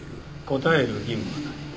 答える義務はない。